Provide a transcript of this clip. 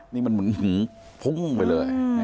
นี่มันเหมือนหื้อพุ่งไปเลย